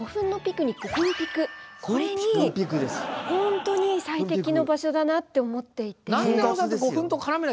これに本当に最適の場所だなって思っていて。